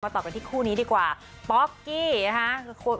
ต่อกันที่คู่นี้ดีกว่าป๊อกกี้นะคะ